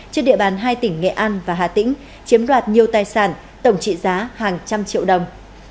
trên địa bàn hai tỉnh nghệ an và hà tĩnh chiếm đoạt nhiều tài sản tổng trị giá hàng trăm triệu đồng